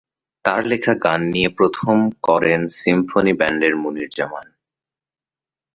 তার লেখা গান নিয়ে প্রথম করেন সিম্ফনি ব্যান্ডের মুনির জামান।